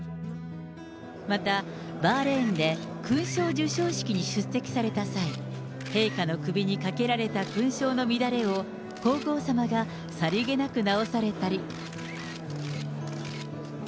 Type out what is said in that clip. また、バーレーンで勲章授章式に出席された際、陛下の首に掛けられた勲章の乱れを皇后さまがさりげなく直されたり。